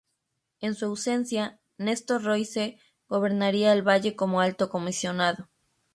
En su ausencia, Nestor Royce gobernaría el Valle como Alto Comisionado.